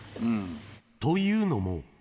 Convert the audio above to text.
というのも。